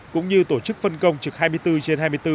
cũng như tổ chức phân công trực hai mươi bốn trên hai mươi bốn